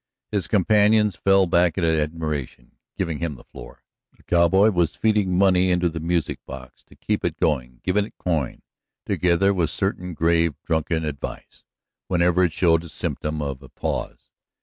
His companions fell back in admiration, giving him the floor. A cowboy was feeding money into the music box to keep it going, giving it a coin, together with certain grave, drunken advice, whenever it showed symptom of a pause.